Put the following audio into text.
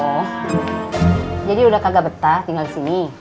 oh jadi udah kagak betah tinggal di sini